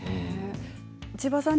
千葉さん